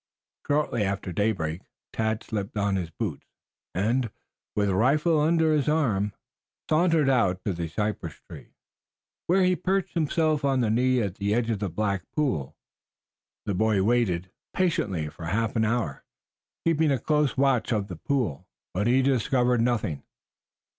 Shortly after daybreak Tad slipped on his boots, and, with rifle under his arm, sauntered out to the cypress tree, where he perched himself on the knees at the edge of the black pool. The boy waited patiently for half an hour, keeping a close watch of the pool, but he discovered nothing.